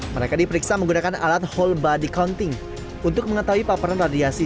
mereka diperiksa menggunakan alat whole body counting untuk mengetahui paparan radiasi